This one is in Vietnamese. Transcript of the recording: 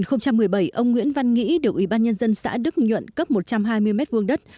năm hai nghìn một mươi bảy ông nguyễn văn nghĩ điều ủy ban nhân dân xã đức nhuận cấp một trăm hai mươi m hai đất